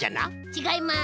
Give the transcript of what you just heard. ちがいます。